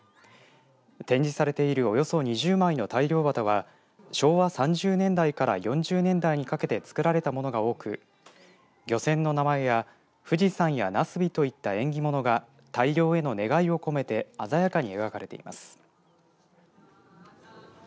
展示されているおよそ２０枚の大漁旗は昭和３０年代から４０年代にかけて作られたものが多く漁船の名前や富士山やなすびといった縁起物が大漁への願いを込めて鮮やかに描かれています。